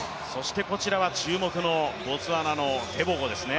こちらは注目のボツワナのテボゴですね。